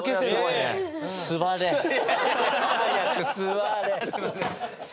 早く座れ！